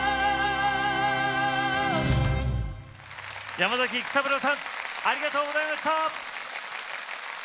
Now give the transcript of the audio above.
山崎育三郎さんありがとうございました！